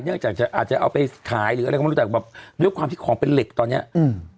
จากจะอาจจะเอาไปขายหรืออะไรก็ไม่รู้แต่แบบด้วยความที่ของเป็นเหล็กตอนเนี้ยอืม